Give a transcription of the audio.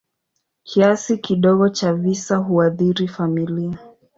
Kiasi kidogo cha visa huathiri familia.